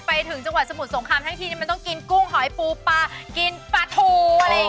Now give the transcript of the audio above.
ไปถึงจังหวัดสมุทรสงครามทั้งทีมันต้องกินกุ้งหอยปูปลากินปลาทูอะไรอย่างนี้